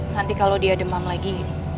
nanti kalau dia demam lagi